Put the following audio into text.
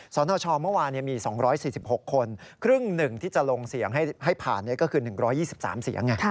สนชเมื่อวานมี๒๔๖คนครึ่งหนึ่งที่จะลงเสียงให้ผ่านก็คือ๑๒๓เสียงไง